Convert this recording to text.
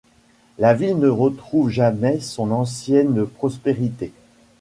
La ville ne retrouve jamais son ancienne prospérité.